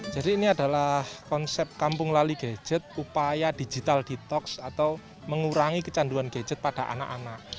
jadi ini adalah konsep kampung lali gadget upaya digital detox atau mengurangi kecanduan gadget pada anak anak